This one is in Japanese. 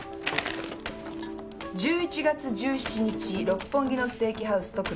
「１１月１７日六本木のステーキハウス『戸倉』